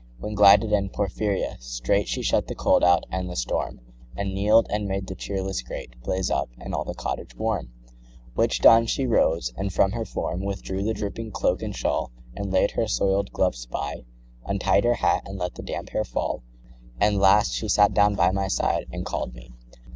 5 When glided in Porphyria; straight She shut the cold out and the storm, And kneel'd and made the cheerless grate Blaze up, and all the cottage warm; Which done, she rose, and from her form 10 Withdrew the dripping cloak and shawl, And laid her soil'd gloves by, untied Her hat and let the damp hair fall, And, last, she sat down by my side And call'd me.